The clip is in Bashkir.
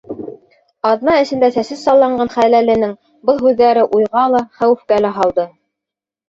Аҙна эсендә сәсе салланған хәләленең был һүҙҙәре уйға ла, хәүефкә лә һалды.